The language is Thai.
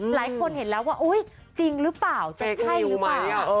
หลายคนเห็นแล้วว่าอุ๊ยจริงหรือเปล่าจะใช่หรือเปล่า